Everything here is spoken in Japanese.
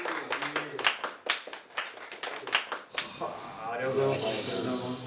ありがとうございます。